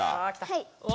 はい。